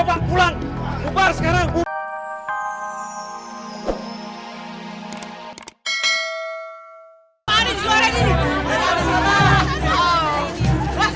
jangan pergi dong risa